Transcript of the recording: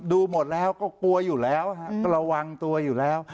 ดูหมดแล้วก็กลัวอยู่แล้วก็ระวังตัวอยู่แล้ว